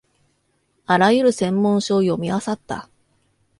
あらゆる専門書を読みあさった